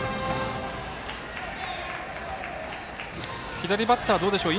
左バッター、どうでしょう。